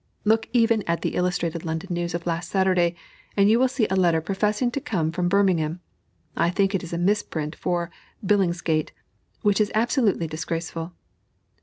Look even at the Illustrated London News of last Saturday, and you will see a letter professing to come from Birmingham, (I think it is a misprint for Billingsgate,) which is absolutely disgraceful.